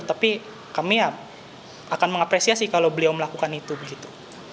tapi kami akan mengapresiasi kalau beliau melakukan itu begitu